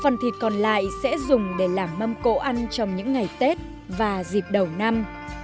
phần thịt còn lại sẽ dùng để làm mâm cỗ ăn trong những ngày tết và dịp đầu năm